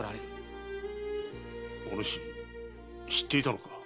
おぬし知っていたのか？